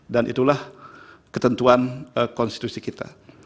dan itulah ketentuan konstitusi kita